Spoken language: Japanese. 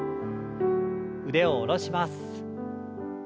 腕を下ろします。